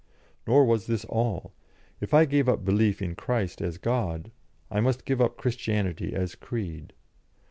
Nor was this all. If I gave up belief in Christ as God, I must give up Christianity as creed.